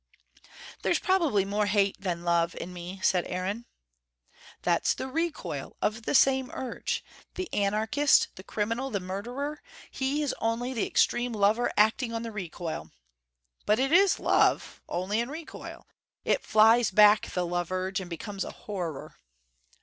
"There's probably more hate than love in me," said Aaron. "That's the recoil of the same urge. The anarchist, the criminal, the murderer, he is only the extreme lover acting on the recoil. But it is love: only in recoil. It flies back, the love urge, and becomes a horror."